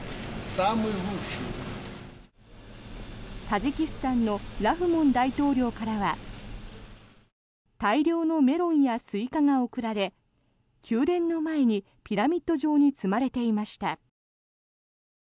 タジキスタンのラフモン大統領からは大量のメロンやスイカが贈られ宮殿の前にピラミッド状に積まれていました。